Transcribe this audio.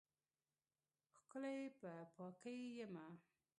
ښکلی په پاکۍ یمه